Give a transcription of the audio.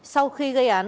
sau khi gây án